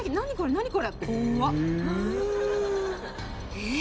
えっ？